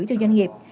cho doanh nghiệp